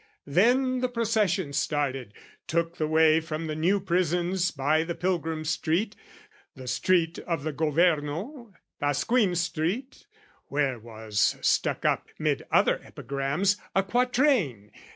"Then the procession started, took the way "From the New Prisons by the Pilgrim's Street, "The street of the Governo, Pasquin's Street, "(Where was stuck up, 'mid other epigrams, "A quatrain...